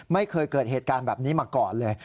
ไม่เคยเกิดเหตุการณ์แบบนี้มาก่อนเลย